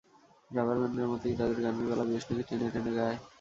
Rubber ব্যান্ডের মতোই তাদের গানের গলা, বেশ নাকি টেনে টেনে গায়।